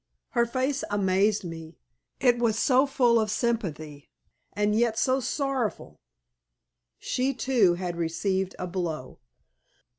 Her face amazed me, it was so full of sympathy, and yet so sorrowful. She, too, had received a blow.